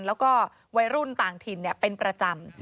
แล้วก็วัยรุ่นต่างถิ่นเป็นประจำ